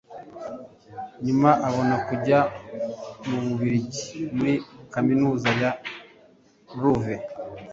nyuma abona kujya mu Bubiligi muri Kaminuza ya Luve